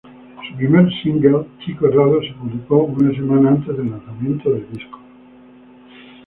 Su primer single "Chico Errado", se publicó una semana antes del lanzamiento del disco.